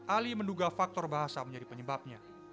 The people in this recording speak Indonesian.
ali menduga faktor bahasa menjadi penyebabnya